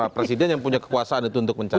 presiden yang punya kekuasaan itu untuk mencari